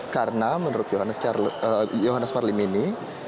karena menurut johannes marlim ini